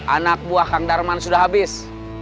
anak buah kang darman sudah habis